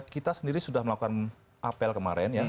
kita sendiri sudah melakukan apel kemarin ya